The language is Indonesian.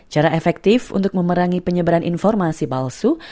cara efektif untuk memerangi penyebaran informasi palsu